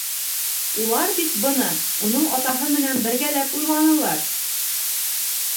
Улар бит быны уның атаһы менән бергәләп уйланылар.